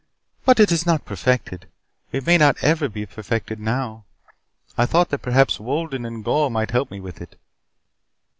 "But it is not perfected. It may not ever be perfected now. I thought that perhaps Wolden and Gor might help me with it."